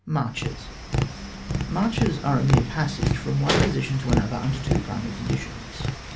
MARCHES. Marches are a mere passage from one position to another under two primary conditions.